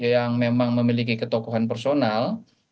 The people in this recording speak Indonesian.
yang memang memiliki ketokohan personal